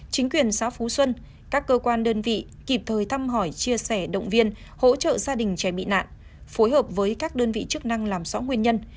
chính quyền xã phú xuân các cơ quan đơn vị kịp thời thăm hỏi chia sẻ động viên hỗ trợ gia đình trẻ bị nạn phối hợp với các đơn vị chức năng làm rõ nguyên nhân